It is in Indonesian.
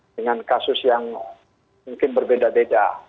dengan kasus yang mungkin berbeda beda